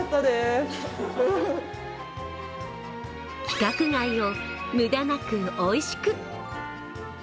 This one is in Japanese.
規格外を無駄なくおいしく。